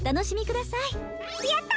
やった！